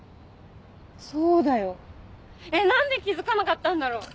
そうだよ何で気付かなかったんだろ。